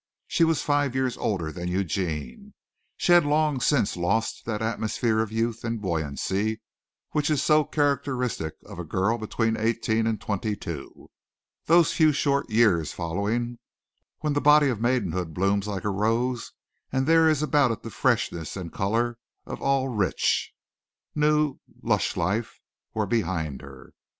She was five years older than Eugene. She had long since lost that atmosphere of youth and buoyancy which is so characteristic of a girl between eighteen and twenty two. Those few short years following, when the body of maidenhood blooms like a rose and there is about it the freshness and color of all rich, new, lush life, were behind her.